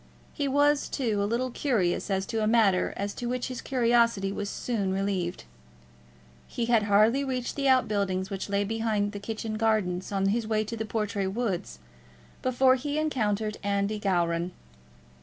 He was, too, a little curious as to a matter as to which his curiosity was soon relieved. He had hardly reached the out buildings which lay behind the kitchen gardens on his way to the Portray woods, before he encountered Andy Gowran.